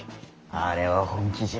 あれは本気じゃ。